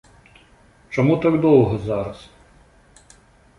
Чаму так доўга зараз?